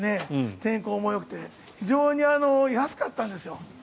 天候もよくて非常に安かったんですよ。